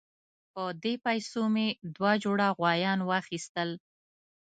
په دې پیسو مې دوه جوړه غویان واخیستل.